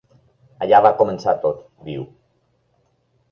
Allà va començar tot, diu.